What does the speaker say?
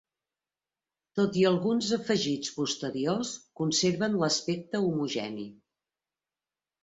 Tot i alguns afegits posteriors, conserven l'aspecte homogeni.